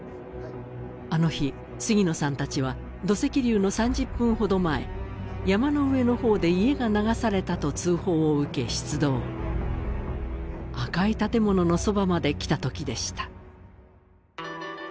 あの日杉野さん達は土石流の３０分ほど前山の上のほうで家が流されたと通報を受け出動赤い建物のそばまできた時でした